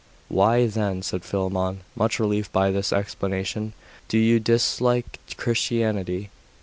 'Why, then,' said Philammon, much relieved by this explanation, 'do you so dislike Christianity?